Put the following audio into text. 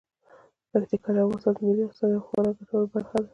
پکتیکا د افغانستان د ملي اقتصاد یوه خورا ګټوره برخه ده.